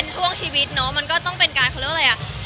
ช่วงชีวิตเนอะมันก็ต้องเป็นการเขาเรียกอะไรอ่ะ